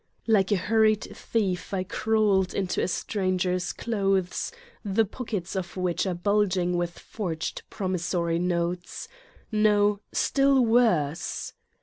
29 Satan's Diary Like a hurried thief I crawled into a stranger's clothes, the pockets of which are bulging with forged promissory notes no, still worse